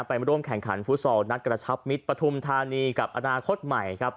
ไปร่วมแข่งขันฟุตซอลนัดกระชับมิตรปฐุมธานีกับอนาคตใหม่ครับ